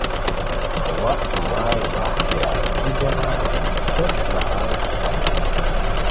وختہ مائی وخت بیرائے ای ژاغا سوت نہنگ استآنی